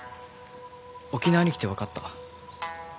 沖縄に来て分かった。